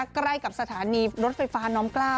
ใกล้กับสถานีรถไฟฟ้าน้อม๙